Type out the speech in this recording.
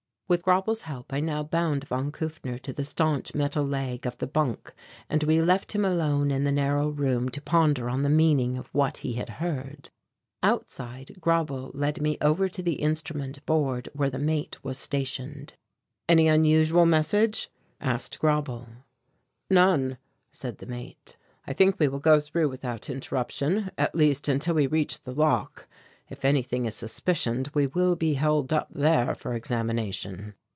With Grauble's help I now bound von Kufner to the staunch metal leg of the bunk and we left him alone in the narrow room to ponder on the meaning of what he had heard. Outside Grauble led me over to the instrument board where the mate was stationed. "Any unusual message?" asked Grauble. "None," said the mate. "I think we will go through without interruption at least until we reach the lock; if anything is suspicioned we will be held up there for examination."